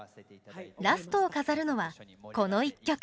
ラストを飾るのはこの一曲。